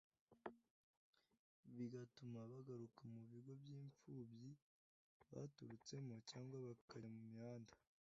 bigatuma bagaruka mu bigo by’imfubyi baturutsemo cyangwa bakajya mu mihanda